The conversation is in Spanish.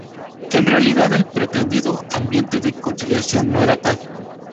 En realidad, el pretendido ambiente de conciliación no era tal.